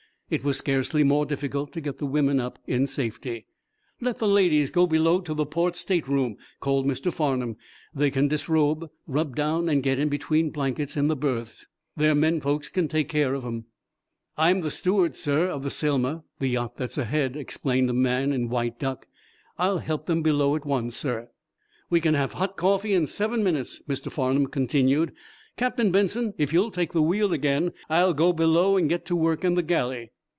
It was scarcely more difficult to get the women up in safety. "Let the ladies go below to the port stateroom," called Mr. Farnum. "They can disrobe, rub down and get in between blankets in the berths. Their men folks can take care of 'em." "I'm the steward, sir, of the 'Selma,' the yacht that's ahead," explained the man in white duck. "I'll help them below at once, sir." "We can have hot coffee in seven minutes," Mr. Farnum continued. "Captain Benson, if you'll take the wheel again, I'll go below and get to work in the galley."